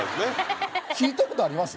聞いた事あります？